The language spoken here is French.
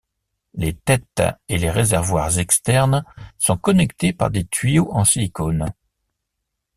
Les têtes et les réservoirs externes sont connectés par des tuyaux en silicone.